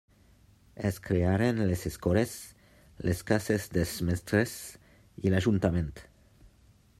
Es crearen les escoles, les cases dels mestres i l'ajuntament.